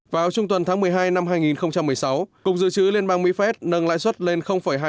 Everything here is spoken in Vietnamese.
vào trung tuần tháng một mươi hai năm hai nghìn một mươi sáu cục dự trữ liên bang mỹ phép nâng lãi suất lên hai mươi